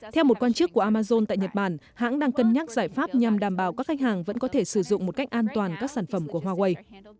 theo một quan chức của amazon tại nhật bản hãng đang cân nhắc giải pháp nhằm đảm bảo các khách hàng vẫn có thể sử dụng một cách an toàn các sản phẩm của huawei